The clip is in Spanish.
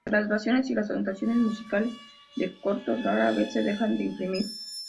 Las grabaciones y las anotaciones musicales de Cortot rara vez se dejan de imprimir.